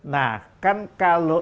nah kan kalau